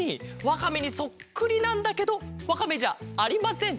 わかめにそっくりなんだけどわかめじゃありません。